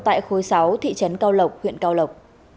tại khối sáu thị trấn cao lộc huyện cao lộc